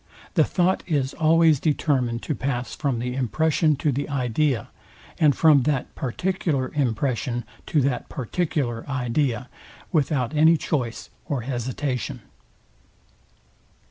The thought is always determined to pass from the impression to the idea, and from that particular impression to that particular idea, without any choice or hesitation.